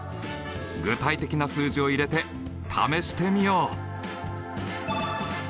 具体的な数字を入れて試してみよう。